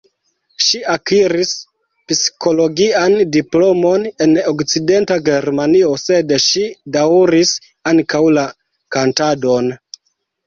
Ŝi akiris psikologian diplomon en Okcidenta Germanio, sed ŝi daŭris ankaŭ la kantadon.